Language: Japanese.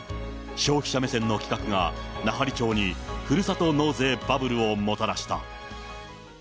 消費者目線の企画が、奈半利町にふるさと納税バブルをもたらした。